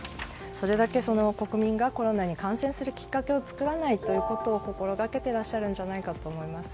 それだけ国民がコロナに感染するきっかけを作らないことを心がけてらっしゃるんじゃないかと思います。